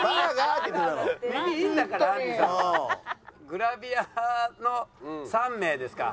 グラビアの３名ですか。